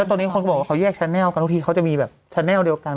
ตอนนี้คนก็บอกว่าเขาแยกแนลกันทุกทีเขาจะมีแบบแนลเดียวกัน